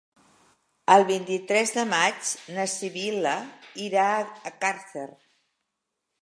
El vint-i-tres de maig na Sibil·la irà a Càrcer.